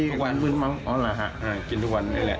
กินทุกวันนี้เลย